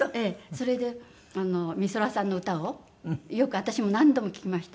それで美空さんの歌をよく私も何度も聴きました。